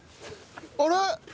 あれ？